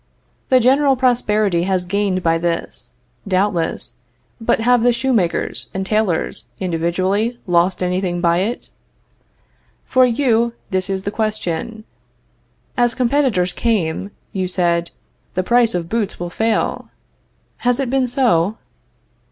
The general prosperity has gained by this, doubtless, but have the shoemakers and tailors, individually, lost anything by it? For you, this is the question. As competitors came, you said: The price of boots will fail. Has it been so?